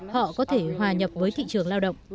họ có thể hòa nhập với thị trường lao động